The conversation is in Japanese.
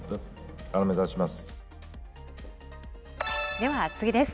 では次です。